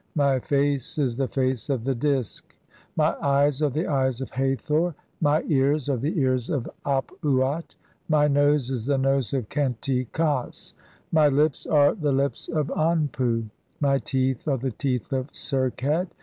My face is the face of the Disk. "My eves are the eyes of (6) Hathor. My ears are the ears of "Ap uat. My nose is the nose of Khenti khas. My lips are the "lips of Anpu. My teeth are the teeth of (7) Serqet.